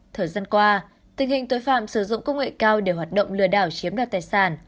thời gian qua tình hình tội phạm sử dụng công nghệ cao để hoạt động lừa đảo chiếm đoạt tài sản